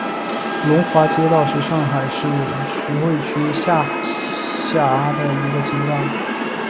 龙华街道是中国上海市徐汇区下辖的一个街道。